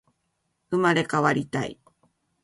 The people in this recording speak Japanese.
生まれ変わりたい